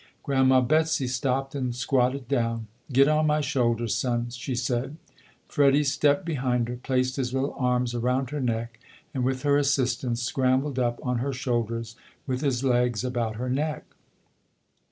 Grandma Betsy stopped and squatted down. "Get on my shoulders, son", she said. Freddie stepped behind her, placed his little arms around 16 ] UNSUNG HEROES her neck and with her assistance scrambled up on her shoulders with his legs about her neck.